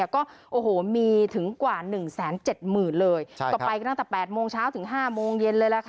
ก็มีถึงกว่า๑๗๐๐๐๐๐เลย